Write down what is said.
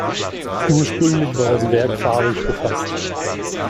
Ursprünglich war das Werk farbig gefasst.